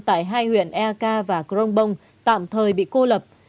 tại hai huyện ea ca và cron bông tạm thời bị cô lập